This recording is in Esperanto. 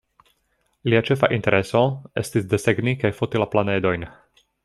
Lia ĉefa intereso estis desegni kaj foti la planedojn.